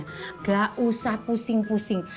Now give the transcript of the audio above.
nggak usah pusing pusing